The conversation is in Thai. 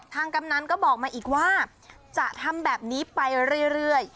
กำนันก็บอกมาอีกว่าจะทำแบบนี้ไปเรื่อย